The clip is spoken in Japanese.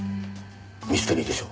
ミステリーでしょ？